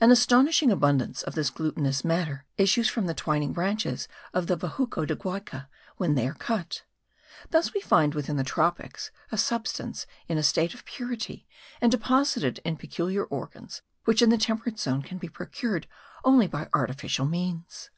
An astonishing abundance of this glutinous matter issues from the twining branches of the vejuco de guayca when they are cut. Thus we find within the tropics a substance in a state of purity and deposited in peculiar organs, which in the temperate zone can be procured only by artificial means.